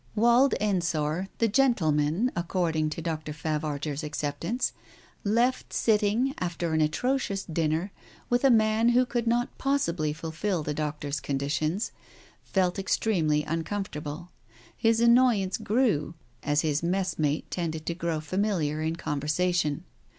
••••••• Wald Ensor, the gentleman according to Dr. Favar ger's acceptance, left sitting after an atrocious dinner, with a man who could not possibly fulfil the Doctor's conditions, felt extremely uncomfortable. His annoy ance grew as his messmate tended to grow familiar in conversation.